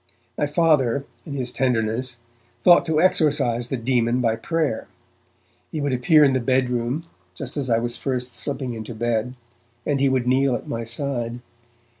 My Father, in his tenderness, thought to exorcize the demon by prayer. He would appear in the bedroom, just as I was first slipping into bed, and he would kneel at my side.